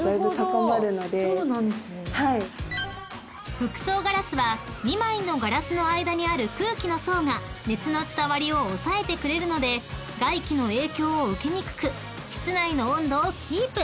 ［複層ガラスは２枚のガラスの間にある空気の層が熱の伝わりを抑えてくれるので外気の影響を受けにくく室内の温度をキープ］